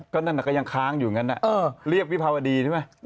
ก็นั้นหรือก็ยังค้างอยู่เงินน่ะเรียบวิภาวดีใช่ไหม